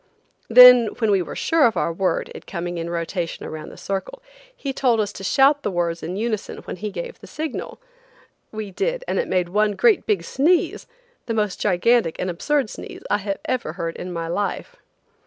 Then when we were sure of our word, it coming in rotation around the circle, he told us to shout the words in unison when he gave the signal. We did, and it made one great big sneeze–the most gigantic and absurd sneeze I ever heard in my life.